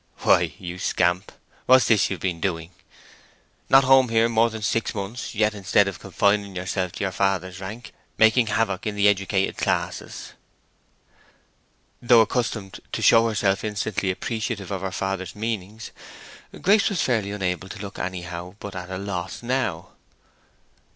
"Why, you scamp, what's this you've been doing? Not home here more than six months, yet, instead of confining yourself to your father's rank, making havoc in the educated classes." Though accustomed to show herself instantly appreciative of her father's meanings, Grace was fairly unable to look anyhow but at a loss now.